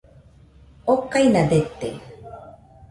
okaina dete